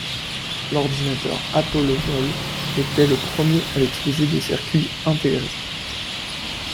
L'ordinateur Apollo vol était le premier à utiliser des circuits intégrés.